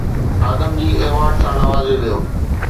Adamjee award سان نوازيو ويو